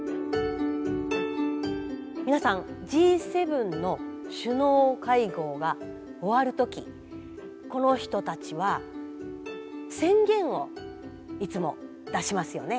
皆さんＧ７の首脳会合が終わる時この人たちは宣言をいつも出しますよね。